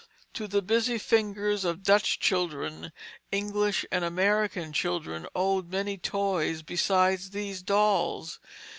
To the busy fingers of Dutch children, English and American children owed many toys besides these dolls.